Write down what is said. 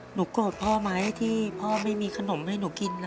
หนูโกรธพ่อมาให้ที่พ่อไม่มีขนมให้หนูกินละ